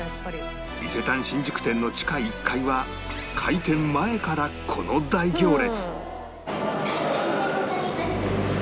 伊勢丹新宿店の地下１階は開店前からこの大行列